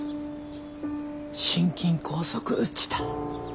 心筋梗塞っちた。